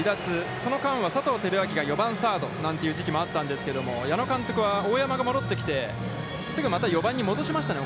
その間は、佐藤輝明が４番サードなんていう時期もあったんですけれども、矢野監督は大山が戻ってきてすぐまた４番に戻しましたね。